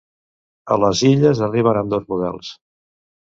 A les illes arriben ambdós models.